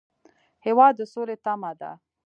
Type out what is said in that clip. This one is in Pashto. هېواد د سولې تمه ده.